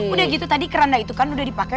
udah gitu tadi keranda itu kan udah dipakai